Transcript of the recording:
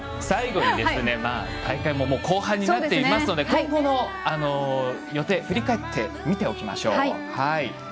最後に、大会も後半になっていますので今後の予定を振り返って見ておきましょう。